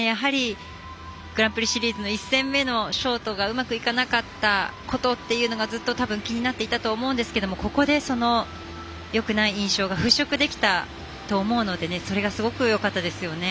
グランプリシリーズの１戦目のショートがうまくいかなかったことというのがずっと、たぶん気になっていたと思うんですけどもここで、よくない印象がふっしょくできたと思うのでそれがすごくよかったですよね。